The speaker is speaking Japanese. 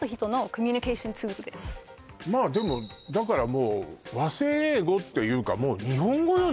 まあでもだからもう和製英語というかもう日本語よね